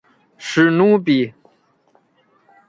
史努比。